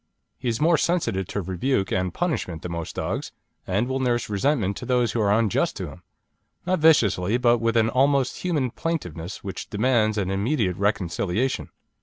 He is more sensitive to rebuke and punishment than most dogs, and will nurse resentment to those who are unjust to him; not viciously, but with an almost human plaintiveness which demands an immediate reconciliation.